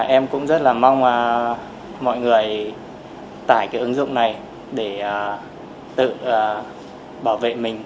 em cũng rất là mong mọi người tải cái ứng dụng này để tự bảo vệ mình